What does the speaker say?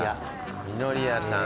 みのりやさん。